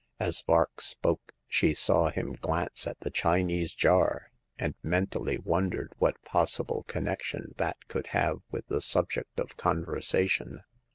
As Vark spoke she saw him glance at the Chinese jar, and mentally wondered what possible connection that could have with the subject of conversation.